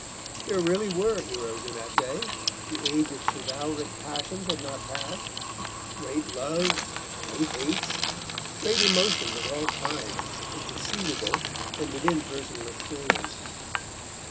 There really were heroes in that day, the age of chivalric passions had not passed, great loves, great hates, great emotions of all kinds, were conceivable and within personal experience.